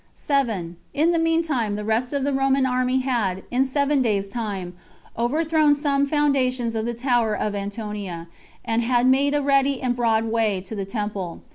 7. In the mean time, the rest of the Roman army had, in seven days' time, overthrown [some] foundations of the tower of Antonia, and had made a ready and broad way to the temple.